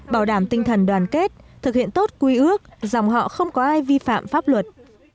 bảo đảm tinh thần đoàn kết thực hiện tốt quy ước dòng họ không có ai vi phạm pháp luật